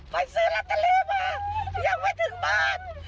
ไปซื้อลอตเตอรี่มายังไม่ถึงบ้าน